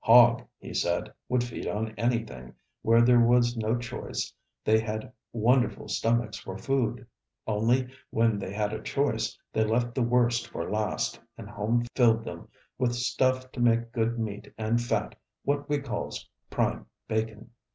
Hog, he said, would feed on anything, where there was no choice they had wonderful stomachs for food. Only, when they had a choice, they left the worst for last, and home fed filled them with stuff to make good meat and fat 'what we calls prime bacon.'